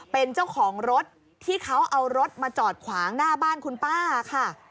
เป็นเจ้าของรถที่เขาเอารถมาจอดขวางหน้าบ้านคุณป้าค่ะ